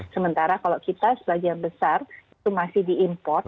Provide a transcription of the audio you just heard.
sementara kalau kita sebagian besar itu masih diimport